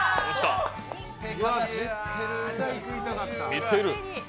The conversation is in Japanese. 見せる。